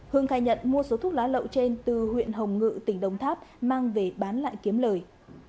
hương khai nhận mua số thuốc lá lậu trên từ huyện hồng ngự tỉnh đồng tháp mang về bán lại kiếm lời